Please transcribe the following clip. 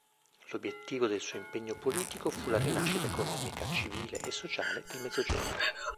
L'obiettivo del suo impegno politico fu la rinascita economica, civile e sociale del Mezzogiorno.